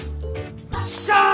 よっしゃ！